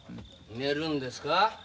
寝るんですか？